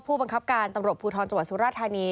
ผู้บังคับการณ์ตำรวจภูทรจัวร์สุรทานี